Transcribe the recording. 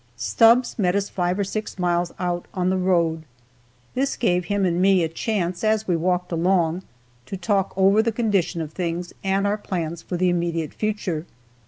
Stubbs met us five or six miles out on the road. This gave him and me a chance, as we walked along, to talk over the condition of things and our plans for the immediate future.